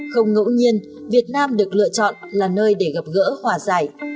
không ngẫu nhiên việt nam được lựa chọn là nơi để gặp gỡ hòa giải